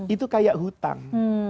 itu kayak hutang